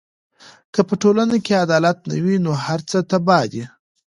که په ټولنه کې عدالت نه وي، نو هر څه تباه دي.